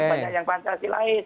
karena banyak yang pancasilais